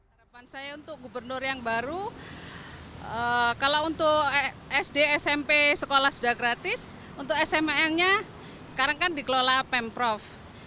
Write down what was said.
harapan saya untuk gubernur yang baru kalau untuk sd smp sekolah sudah gratis untuk smal nya sekarang kan dikelola pemprov